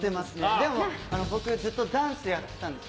でも僕、ずっとダンスやってたんです。